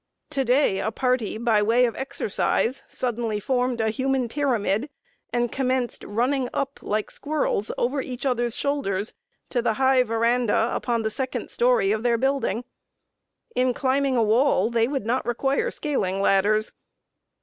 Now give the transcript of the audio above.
To day a party, by way of exercise, suddenly formed a human pyramid, and commenced running up, like squirrels, over each other's shoulders, to the high veranda upon the second story of their building. In climbing a wall, they would not require scaling ladders.